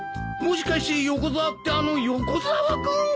もしかして横沢ってあの横沢君！？